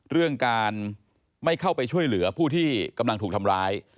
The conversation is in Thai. เรื่องการไม่เข้าไปช่วยเหลือผู้ที่กำลังถูกทำร้าย